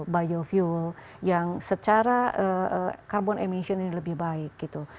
biofuel yang secara carbon emission ini lebih baik gitu